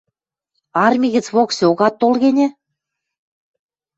арми гӹц воксеок ак тол гӹнь